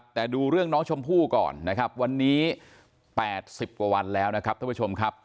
แต่ดูเรื่องน้องชมพู่ก่อนนะครับวันนี้๘๐กว่าวันแล้วนะครับท่านผู้ชมครับ